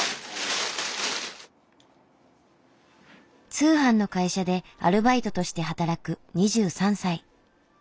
通販の会社でアルバイトとして働く２３歳。